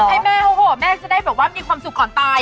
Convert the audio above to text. ให้แม่เขาโหแม่จะได้แบบว่ามีความสุขก่อนตาย